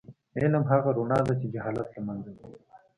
علم هغه رڼا ده چې جهالت له منځه وړي.